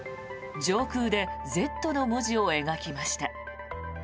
上空で「Ｚ」の文字を描きました。